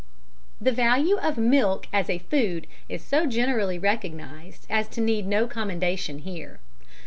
_ The value of milk as a food is so generally recognised as to need no commendation here.